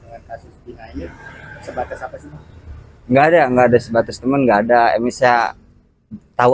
dengan kasus ini sebatas apa sih enggak ada enggak ada sebatas teman enggak ada emisnya tahu